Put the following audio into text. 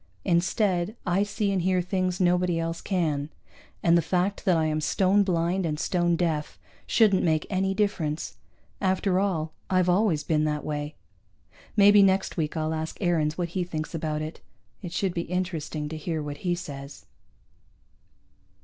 Instead, I see and hear things nobody else can, and the fact that I am stone blind and stone deaf shouldn't make any difference. After all, I've always been that way. Maybe next week I'll ask Aarons what he thinks about it. It should be interesting to hear what he says.